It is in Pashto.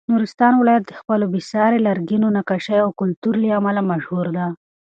نورستان ولایت د خپلو بې ساري لرګینو نقاشیو او کلتور له امله مشهور دی.